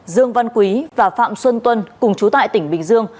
dương văn quý và phạm xuân tuân cùng chú tại tỉnh bình dương